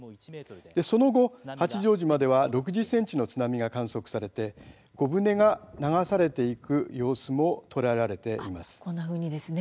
その後、八丈島では６０ｃｍの津波が観測されて小船が流されていく様子も捉えられました。